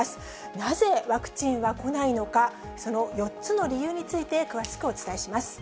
なぜワクチンは来ないのか、その４つの理由について、詳しくお伝えします。